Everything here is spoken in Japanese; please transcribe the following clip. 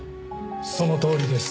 そのとおりです。